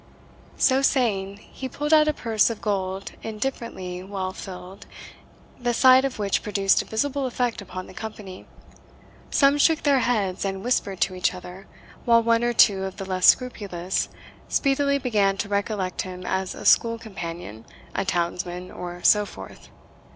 So saying, he pulled out a purse of gold indifferently well filled, the sight of which produced a visible effect upon the company. Some shook their heads and whispered to each other, while one or two of the less scrupulous speedily began to recollect him as a school companion, a townsman, or so forth.